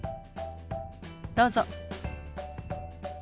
どうぞ。